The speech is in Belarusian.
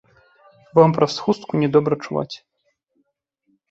Вам праз хустку не добра чуваць.